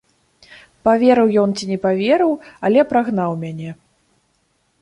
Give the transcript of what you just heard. Паверыў ён ці не паверыў, але прагнаў мяне.